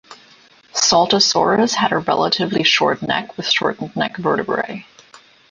"Saltasaurus" had a relatively short neck with shortened neck vertebrae.